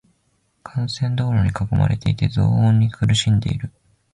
幹線道路に囲まれていて、騒音に苦しんでいる。